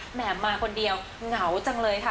แหมมาคนเดียวเหงาจังเลยค่ะ